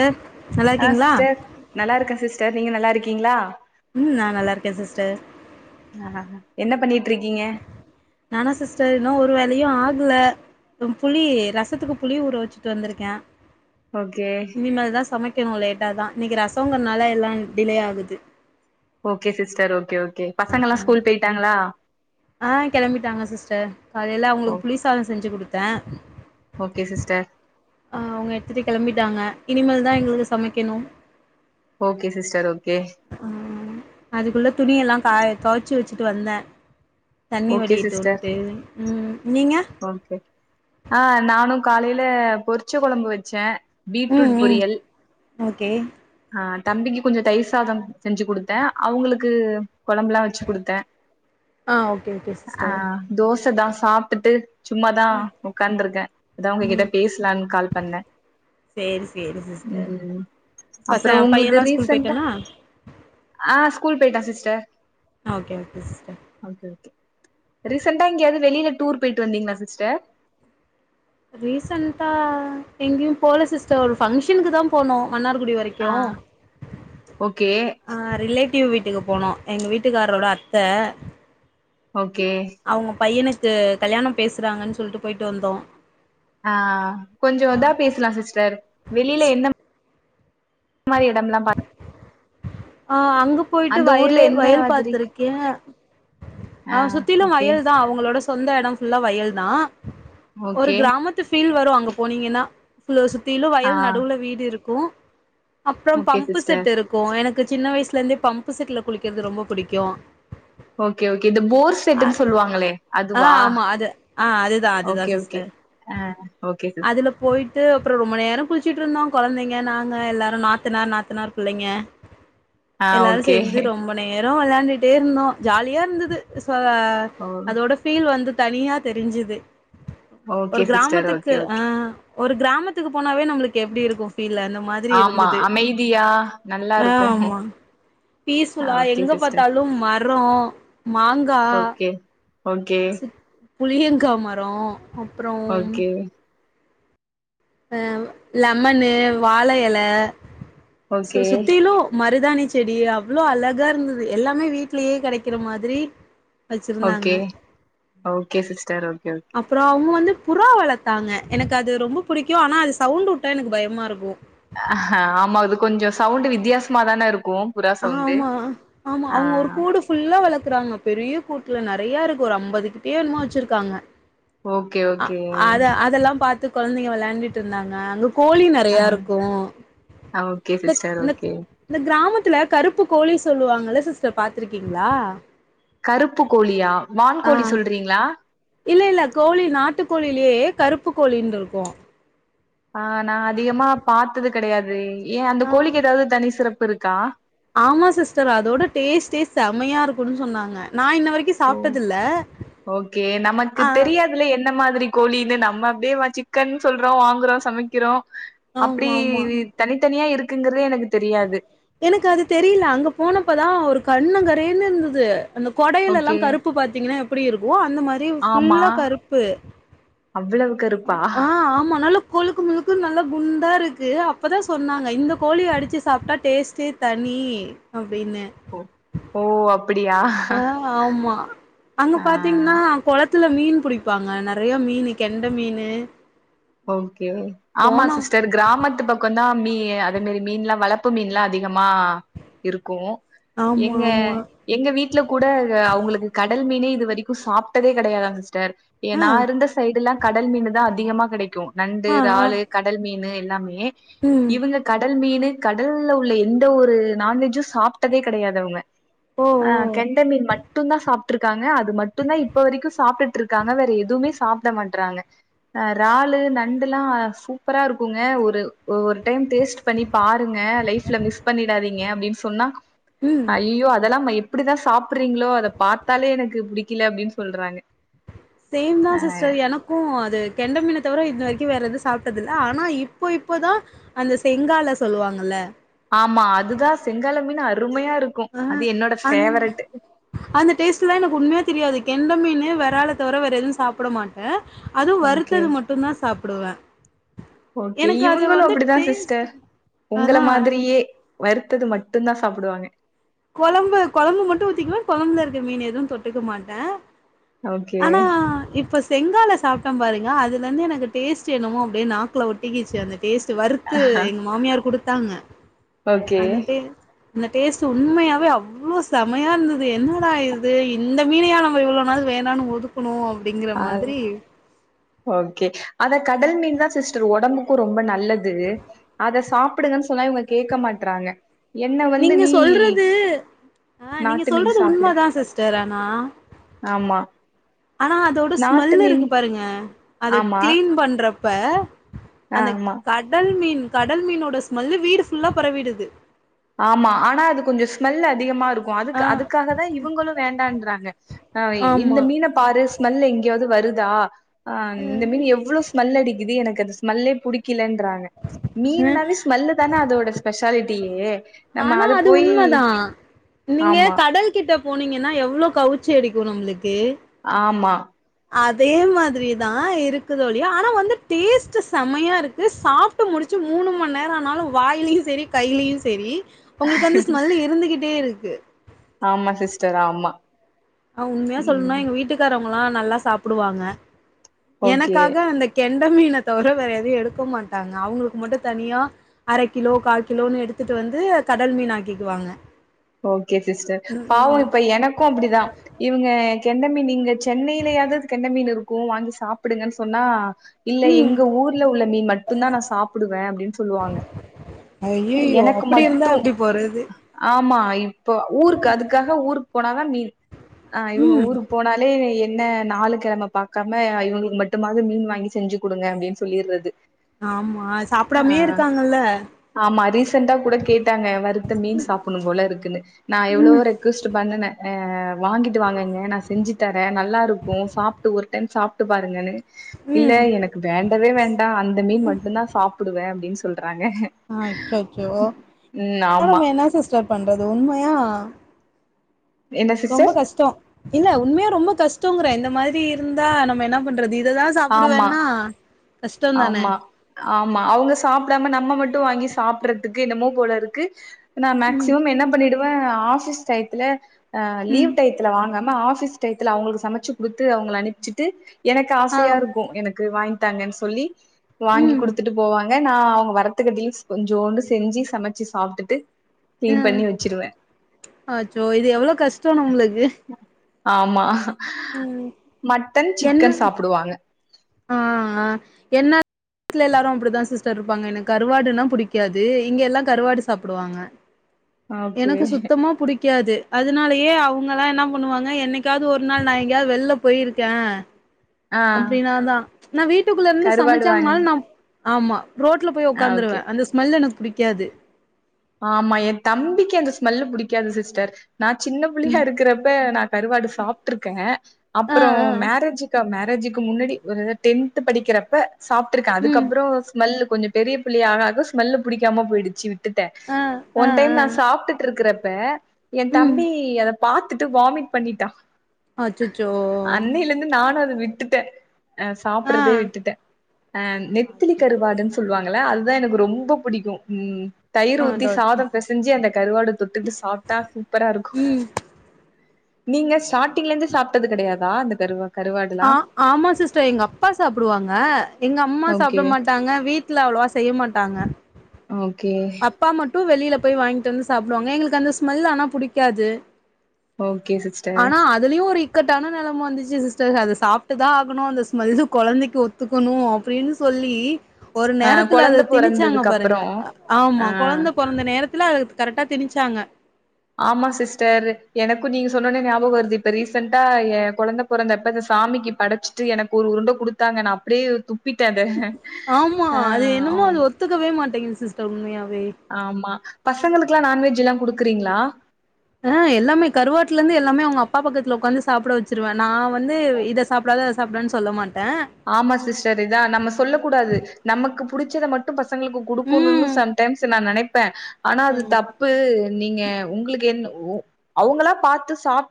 ஆ ஆ சிஸ்டர் நல்லா இருக்கேன் சிஸ்டர் நீங்க நல்லா இருக்கீங்ளா ம் நா நல்லா இருக்கே சிஸ்டர் ஆ என்ன பண்ணிட்டு இருக்கீங்க நானா சிஸ்டர் இன்னு ஒரு வேலயு ஆகல புளி ரசத்துக்கு புளி ஊற வச்சுட்டு வந்துருக்கே ஓகே இனிமேல் தா சமைக்கணு லேட்டா தா இன்னைக்கி ரசம்ங்கிறதுனால எல்லா டிலே ஆகுது ஓகே சிஸ்டர் ஓகே ஓகே பசங்க எல்லா ஸ்கூல் போய்ட்டாங்களா அ கெளம்பிட்டாங்க சிஸ்டர் காலையில ஓ அவங்களுக்கு புளி சாதோ செஞ்சு கொடுத்தே ஓகே சிஸ்டர் ஆ அவங்க எடுத்துட்டு கெளம்பிட்டாங்க இனிமேல் தா எங்களுக்கு சமைக்கணு ஓகே சிஸ்டர் ஓகே ஆ அதுக்குள்ள துணி எல்லா கா தொவச்சு வச்சுட்டு வந்தே தண்ணி ஓகே சிஸ்டர் வடியட்டுண்டு ம் நீங்க ஓகே ஆ நானு காலையில பொறிச்ச கொழம்பு வச்சே ம் பீட்ரூட் ம் பொரியல் ஓகே ஆ தம்பிக்கு கொஞ்சோ தயிர் சாதோ செஞ்சு கொடுத்தே அவங்களுக்கு கொழம்புல்லா வச்ச ச்சுடுத்தே ஆ ஓகே ஓகே ஆ சிஸ்டர் தோச தா சாப்பிட்டு சும்மாதா உட்கார்ந்துருக்கே அதா உங்க கிட்ட பேசலான்னு கால் பண்ணே சேரி சேரி சிஸ்டர் ம் பச அப்றோ உங்களுக்கு பையன்லா ஸ்கூல் ரீசண்டா போயிட்டானா ஆ ஸ்கூல் போய்ட்டா சிஸ்டர் ஆ okay okay sister okay okay ரீசண்டா எங்கேயாவது வெளில டூர் போயிட்டு வந்தீங்ளா சிஸ்டர் ரீசெண்டா எங்கேயு போல சிஸ்டர் ஒரு ஃபங்க்ஷனுக்கு தா போனோ மன்னார்குடி வரைக்கு ஆ கியோ ஓகே ஆ ரிலேட்டிவ் வீட்டுக்கு போனோ எங்க வீட்டுக்காரோட அத்த ஓகே அவுங்க பையனுக்கு கல்யாணோ பேசுறாங்கன்னு சொல்ட்டு போயிட்டு வந்தோ ஆ கொஞ்சோ இதா பேசலா சிஸ்டர் வெளில என்ன மாரி எடம்லா பாத் ஆ அங்க போயிட்டு அந்த ஊர்ல வயவே எந்த வயல் மாதிரி பாத்திருக்கே அ ஆ சுத்திலு ஓகே வயல் தா அவுங்களோட சொ சொந்த எடம் ஃபுல்லா வயல் தா ஒரு ஓகே கிராமத்து ஃபீல் வரு அங்க போனீங்ன்னா சுத்திலு ஆ வயல் நடுவுல வீடுருக்கு அப்றம் ஓகே பம்பு சிஸ்டர் செட்டு இருக்கு எனக் க்கு சின்ன வயசுலருந்தே பம்பு செட்ல குளிக்கிறது புடிக்கு ஓகே ஓகே இந்த போர் செட்ன்னு சொல்லுவாங்ளே அதுவா அ அதுதா அதுதா ஓகே ஓகே சிஸ்டர் ஆ ஓகே ங்க அதுல போயிட்டு அப்பறோ ரொம்ப நேரோ குளிச்சிட்டு இருந்தோ கொழந்தைங்க நாங்க எல்லோரு நாத்தனார் நாத்தனார் பிள்ளைங்க ஆ எல்லாரு ஓகே சேந்து ரொம்ப நேரோ வெளாண்டுட்டே இருந்தோ ஜாலியா இருந்துது சொ ஓ அதோட ஃபீல் வந்து தனியா தெரிஞ்சுது ஓகே ஒரு சிஸ்டர் ஓகே கிராமத்துக்கு அ ஓகே ஒரு கிராமத்துக்கு போனாவே நம்ளுக்கு எப்டி இருக்கு ஃபீல் அந்த மாத் ஆமா அமைதியா ஆ நல்லாருக்கு ஆமா பீஸ்ஃபுல்லா எங்க பாத்தாலு மரோ மாங்கா ஓகே ஓகே புளியங்கா மரோ அப்றோ ஓகே அ லெமனு வாழ எல சு ஓகே சுத்திலு மருதாணி செடி அவ்ளோ அழகா இருந்தது எல்லாமே வீட்லயே கெடைக்கிற மாதிரி வச்சிருந்தாங்க ஓகே ஓகே சிஸ்டர் ஓகே ஓ அப்றோ அவுங்க வந்து புறா வளத்தாங்க எனக்கு அது ரொம்ப புடிக்கு ஆனா அது சவுண்டு உட்டா எனக்கு பயமாருக்கு அ ஹ ஆமா அது கொஞ்ச சவுண்டு வித்தியாசமாாதானே இருக்கு புறா சவுண்டு ஆமா ஆமா ஆ அவுங்க ஒரு கூடு ஃபுல்லா வளக்குறாங்க பெரிய கூட்டுல நறையா இருக்கு ஒரு அம்பது கிட்டய என்னமோ வச்சுருக்காங்க ஓகே அ ஓகே அத அதெல்லா பாத்து கொழந்தைங்க வெளாண்ட்டு இருந்தாங்க அங் கோழி ஆ நறையா இருக்கு ஆ ஓகே இந்த சிஸ்டர் இந்த ஓகே இந்த கிராமத்துல கருப்பு கோழி சொல்லுவாங்கல்ல சிஸ்டர் பாத்துருக்கீங்ளா கருப்பு கோழியா ஆ வான்கோழி சொல்றீங்ளா இல்ல இல்ல கோழி நாட்டுக்கோழிலயே கருப்பு கோழின்ருக்கு ஆ நா அதிகமா பாத்தது கடையாது ஏ அந்த ஆ கோழிக்கு ஏதாது தனி சிறப்பு இருக்கா ஆமா சிஸ்டர் அதோட டேஸ்ட்டே செமையா இருக்குன்னு சொன்னாங்க நா இன்ன வரைக்கு ஓ சாப்ட்டதில்ல ஓகே நமக்கு ஆ தெரியா இதுல எந்த மாதிரி கோழினு நம்ம அப்டியே வா சிக்கன்னு சொல்றோ வாங்றோ சமைக்றோ அப்டி ஆமா ஆமா தனித்தனியா இருக்குங்கறதே எனக்கு தெரியாது எனக்கு அது தெரில அங்கே போனப்பதா ஒரு கண்ணங் கரேன்னு இருந்துது அந்த கொடைலலா ஓகே கருப்பு பாத்தீங்ன்னா எப்டி இருக்கோ அந்த மாரி ஃபுல்லா கருப்பு அவ்ளவு கருப்பா ஆ ஆமா நல்லா கொழுக்கு முழுக்குனு நல்லா குண்டாருக்கு அப்பதா சொன்னாங்க இந்த கோழிய அடிச்சி சாப்ட்டா டேஸ்ட்டே தனி அப்டின்னு ஓ ஓ அப் டியா ஆ ஆமா அங்க பாத்தீங்கன்னா கொளத்துல மீன் புடிப்பாங்க நறைய மீனு கெண்ட மீனு ஓகே ஆமா போனோம் சிஸ்டர் கிராமத்து பக்கம்தா மீ அத மாரி மீன்ல்லாம் வளர்பு மீன்ல்லாம் அதிகமா இருக்கும் ஆமா, எங்க ஆமா. எங்க வீட்ல கூட அவங்களுக்கு கடல் மீனே இது வரைக்கும் சாப்ட்டதே கடையாதுங்க ஏ ஆ, நான் இருந்த சைடுல்லாம் கடல் மீன் தா அதிகமா கடைக்கும் நண்டு ஆ, ஆ. இறாலு கடல் மீனு எல்லாமே ம். இவங்க கடல் மீனு கடல்ல உள்ள எந்த ஒரு நான்வெஜ்ஜும் சாப்ட்டதே கடையாது அவங்க ஓ அ கெண்ட மீன் மட்டு தா சாப்ட்டுருக்காங்க அது மட்டும் தா இப்ப வரைக்கும் சாப்ட்டுட்டு இருக்காங்க வேற எதுவுமே சாப் ண்ண மாட்றாங்க ஆ இறாலு நண்டுல்லாம் சூப்பரா இருக்குங்க ஒரு ஒரு டைம் டேஸ்ட் பண்ணி பாருங்க லைஃப்ல மிஸ் பண்ணிடாதிங்க அப்டின்னு சொன்னா ம். ஐயோ அதல்லாம் எப்டிதான் சாப்றீங்களோ அத பாத்தாலே எனக்கு புடிக்கல அப்டின்னு சொல்றாங்க சேம் தான் அ சிஸ்டர் எனக்கு எனக்கு அது கெண்ட மீன இது வரைக்கு வேற எதுவும் சாப்ட்டது இல்ல ஆனா இப்போ இப்போதான் அந்த செங்கால சொல்லுவாங்கல்ல ஆமா அதுதா செங்கால மீன் அருமையா இருக்கும் அ அது என்னோட அந் பேவரட் அந்த டேஸ்ட்லா எனக்கு உண்மையா தெரியாது கெண்ட மீன்னு வெறால தவிர வேற எதுவு சாப்ட மாட்டேன் அது ஓகே வருத்தது மட்டும் தா சாப்டுவே ஓகே எனக்கு அது இவங்களும் வந்து அப்டிதா டேஸ்ட் சிஸ்டர் உங்கள அதா மாதிரியே வருத்தது மட்டும்தா சாப்டுவாங்க‌ கொழம்பு கொழம்பு மட்டும் ஊத்திக்குவேன் கொழம்புல இருக்க மீனு எதுவும் தொட்டுக்க மாட்டேன் ஓகே ஆனா இப்ப செங்கால சாப்ட்ட பாருங்க அதுல இருந்து எனக்கு டேஸ்ட் என்னமோ அப்டியே நாக்குள ஒட்டிகிச்சு அது டேஸ்ட் வறுத்து எங்க மாமியார் கொடுத்தாங்க ஓகே அந்த டே அந்த டேஸ்ட் உண்மையாவே அவ்ளோ செமையா இருந்தது என்னடா இது இந்த மீனையா நம்ம இவ்வளோ நாள் வேணானு ஒது ஒதுக்குணோ அப்டிங்கிற மாதிரி ஓகே அத கடல் மீன் தா சிஸ்டர் உடம்புக்கும் ரொம்ப நல்லது. அத சாப்புடுங்கன்னு சொன்னா இவங்க கேட்க மாட்றாங்க என்ன வந்து நீங்க நீ சொல்றது ஆ நீங்க நாட்டு மீன் சொல்றது சாப்பிடு உண்ம தா சிஸ்டர் ஆனா ஆமா ஆனா அதோட நாட்டு ஸ்மெல்லு மீன் இருக்கு பாருங்க அத ஆமா கிளீன் பண்றப்ப ஆ அந்த ஆமா கடல் மீன் கடல் மீனோட ஸ்மெல்லு வீடு ஃபுல்லா பரவிடுது ஆமா ஆனா அது கொஞ்ச ஸ்மெல் அதிகமா இருக்கும். ஆ அதுக்கு அதுக்காக தா இவங்களும் வேண்டாம்றாங்க அ இந்த ஆமா மீன பாரு ஸ்மெல் எங்கேயாவது வருதா ஆஹ் இந்த மீன் எவ்ளோ ஸ்மெல் அடிக்குது எனக்கு அந்த ஸ்மெல்லே பிடிக்கலன்றாங்க அ மீன்னாவே ஸ்மெல்லு தான அதோட ஸ்பெஷாலிட்டியே நம்ம ஆனா அத அது போய் உண்மதா நீங்க ஆமா கடல் கிட்ட போனீங்கன்னா எவ்வளோ கவுச்சி அடிக்கும் நம்மளுக்கு ஆமா அதே மாதிரி தா இருக்குதோ இல்லிய ஆனா வந்து டேஸ்ட் செமையா இருக்கு சாப் சாப்ட்டு முடிச்சு மூணு ம நேரம்னாலு வாயிலயு சேரி, கையிலயு சேரி உங்களுக்கு வந்து ஸ்மெல் இருந்துகிட்டே இருக்கு. ஆமா சிஸ்டர் ஆமா அவங்க உண்மையே சொல்லுனும் ம் எங்க வீட்டுக்காரவங்கல்லா நல்லா சாப்டுவாங்க ஓகே எனக்காக அந்த கெண்ட மீனை தவிர வேற எதுவும் எடுக்க மாட்டாங்க அவங்களுக்கு மட்டு தனியா அரை கிலோ கால் கிலோன்னு எடுத்துட்டு வந்து கடல் மீன் ஆக்கிக்குவாங்க ஓகே சிஸ்டர் ம் பாவ ம் இப்ப எனக்கும் அப்டிதா இவங்க கெண்ட மீன் இங்க சென்னையிலயாவது கெண்ட மீன் இருக்கும் வாங்கி சாப்டுங்கன்னு சொன்னா இல்ல ம். எங்க ஊர்ல உள்ள மீன் மட்டும்தா நா சாப்டுவ அப்டின்னு சொல்லுவாங்க அய்யய்யோ எனக்கு அப்டி இருந்தா மட்டு எப்டி போறது ஆமா இப்போ ஊருக்கு அதுக்காக ஊருக்கு போனாதா மீ ஆ இவங்க ம். ஊருக்கு போனாலே என்ன நாலு கிழம பாக்காம இவங்களுக்கு மட்டுமாவது மீன் வாங்கி செஞ்சு கொடுங்க அப்டின்னு சொல்லிர்றது ஆமா சாப்டாமே இருக்காங்கல்ல ஆமா ரீசெண்டா கூட கேட்டாங்க வருத்த சாப்டணும் போல இருக்கு நா எவ்வளோ ரிக்வஸ்ட் பண்ணண அ வாங்கிட்டு வாங்க நா செஞ்சு தர நல்லா இருக்கும் சாப்ட்டு ஒரு டைம் சாப்ட்டு பாருங்கன்னு இல்ல ம். எனக்கு வேண்டவே வேண்டா அந்த மீன் மட்டு தா சாப்டுவ அப்டின்னு சொல்றாங்க அ அச்சச்சோ ம் இருந்தாலு ஆமா நம்ம என்ன சிஸ்டர் பண்றது உண்மையா என்ன ரொம்ப சிஸ்டர் கஷ்ட இல்ல உண்மையா ரொம்ப கஷ்டங்கிற இந்த மாதிரி இருந்தா நம்ம என்ன பண்றது இததா ஆமா சாப்டுவண்ணா ஆமா ஆமா அவங்க சாப்டாம நம்ம மட்டும் வாங்கி சாப்டுறதுக்கு என்னமோ போல இருக்கு நா ம் மேக்சிமம் என்ன பண்ணிடுவ ஆஃபீஸ் டைத்துல் லீவ் ம் டைத்துல வாங்கமா ஆஃபீஸ் டைத்துல அவங்களுக்கு சமைச்சு கொடுத்து அவங்கல அனுப்பிச்சுட்டு எனக்கு ஆ ஆசையா இருக்கும் எனக்கு வாங்கி ட்டாங்கன் சொல்லி வாங்கி ம் குடுத்துட்டு போவாங் க நா அவ்ங்க வரத்துகட்டியு கொஞ்சோண்டு செஞ்சு சமச்சு சாப்ட்டுட்டு கிளீன் ம் பண்ணி வச்சிருவே அச்சோ இது எவ்ளோ கஷ்டோங்க உங்ளுக்கு ஆமா மட்டன், என்ன சிக்கன் சாப்டுவாங்க ஆ ஆ என்ன வீட்ல எல்லாரு அப்டித்தா சிஸ்டர்ருப்பாங்க எனக் கருவாடுனா புடிக்காது இங்க எல்லா கருவாடு சாப்புடுவாங்க ஓகே எனக்கு சுத்தமா புடிக்காது அதனாலயே அவங்கல்லா என்னா பண்ணுவாங்க என்னைக்காவ்து ஒரு நாள் நா எங்யாத் வெள்ல போயிருக்கே ஆ அப்டினாதா நா வீட்டுக்குள்ள இர்ந்து கருவாடு சமச்சாங்கனால் வாங்கி நா ஆமா ரோட்ல போய் ஆ ஓகே ஒக்காந்துருவே அந்த ஸ்மெல் எனக் புடிக்காது ஆமா எந்தம்பிக்கு அந்த ஸ்மெல்லு புடிக்காது சிஸ்டர் நா சின்ன புள்ளையா ம் இருக்கறப்ப நா கருவாடு சாப்ட்ருக்கே ஆ அப்றோ ஆ மேரேஜுக்கா மேரேஜு க்கு முன்னாடி ஒரு டென்த்து படிக்கிறப்ப சாப்ட்ருக்கே ம் அதுக்கப்றோ ஸ்மெல்லு கொஞ்ச பெரிய புள்ளையா ஆக ஆக ஸ்மெல்லு புடிக்காம போய்டுச்சி விட்டு ஆ அ ஒன் டைம் நா சாப்ட்டுட்ருக்கறப்ப ம் எந்தம்பி அத பாத்துட்டு வாமிட் பண்ணிட்டா அச்சச்சோ அன்னையில இருந்து நானு அத விட்டுட்டே அ ஆ சாப்பட்றதே விட்டுட்டே அ நெத்திலி கருவாடுன் சொல்வாங்கல்ல அதுதா எனக்கு ரொம்போ புடிக்கு ம் தயிர் ஆ ஊத்தி டாக்டர் சாதோ பெச ஞ்சி அந்த கருவாட தொட்டுட்டு சாப்ட்டா சூப்பரா இருக்கு ம் நீங்க ஸ்டாட்டிங்லர்ந்து சாப்ட்டது கெடையாதா அந்த கருவா கருவாடுலா ஆ ஆமா சிஸ்டர் எங்க அப்பா சாப்டுவாங்க எங்க அம்மா ஓகே சாப்ட மாட்டா ங்க வீட்ல அவ்ளோவா செய்ய மாட்டாங்க ஓகே அப்பா மட்டு வெளில போய் வாய்ங்ட்டு வந்து சாப்டுவாங்க எங்களுக் அந்த ஸ்மெல் ஆனா புடிக்காது ஓகே சிஸ்டர் ஆனா அதுலயு ஒரு இக்கட்டான நெலம வந்துச்சு சிஸ்டர் அத சாப்ட்டுதா ஆகணு அந்த ஸ்மெல்லு கொழந்தைக்கு ஒத்துக்கணு அப்டினு சொல்லி ஒரு அ நேரத்துல அத கொழந்த திணிச்சாங்க பொறந்ததுக்கு பாருங்க அப்புறோ அ ஆமா ஆ கொழந்த பொறந்த நேரத்துல அத கரெக்ட்டா திணிச்சாங்க ஆமா சிஸ்டர் எனக்கு நீங்க சொன்னோன்னே ஞாபகோ வர்து இப்ப ரீசென்ட்டா எ கொழந்த பொறந்தப்ப அத சாமிக்கு படச்சிட்டு எனக் ஒரு உருண்ட குடுத்தாங்க நா அப்டியே துப்பிட்டே அத ஆமா ஆ அது என்னமோ அது ஆம் ஒத்துக்கவே மாட்டேங்கிது சிஸ்டர் உண்மையாவே ஆமா பசங்களுக்குலா நான்வெஜ் எல்லா குடுக்கறீங்ளா ஆ எல்லாமே கருவாட்லர்ந்து எல்லாமே அவுங்க அப்பா பக்கத்துல உக்காந்து சாப்ட வெச்சிருவே நா வந்து இத சாப்டாத அத சாப்டாதன் சொல்ல மாட்டே ஆமா சிஸ்டர் இதா நம்ம சொல்லக்கூடாது நமக்கு புடிச்சத மட் டு பசங்ளுக்கு குடுக்கணுனு ம் சம்டைம்ஸ் நா நெனைப்பே ஆனா அது தப் பு நீங்க உங்களுக்கு என்ன ஒ ஓ அவங்களா பாத்து சாப்